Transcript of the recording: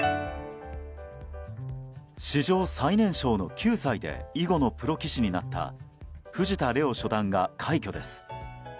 史上最年少の９歳で囲碁のプロ棋士になった藤田怜央初段が快挙です。